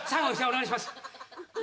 お願いします。